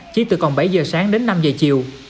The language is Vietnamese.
chỉ từ còn bảy giờ sáng đến năm giờ chiều